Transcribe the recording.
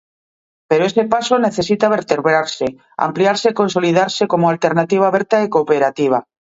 Pero ese paso necesita vertebrarse, ampliarse e consolidarse como alternativa aberta e cooperativa.